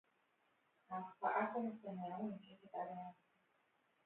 ההקפאה של נתניהו נמשכת עד היום הזה